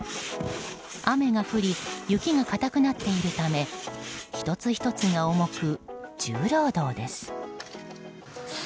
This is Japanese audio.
雨が降り雪が固くなっているため１つ１つが重く、重労働です。